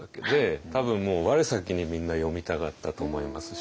多分もう我先にみんな読みたがったと思いますし。